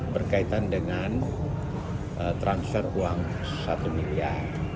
berkaitan dengan transfer uang satu miliar